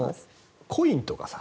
コインとかさ